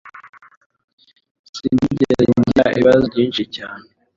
Sinigeze ngira ibibazo byinshi cyane.